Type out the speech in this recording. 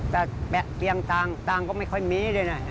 แต่เรียนต่างต่างก็ไม่ค่อยมีเลยนะ